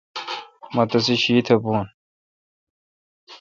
مہ تیسے شیتھ بھون۔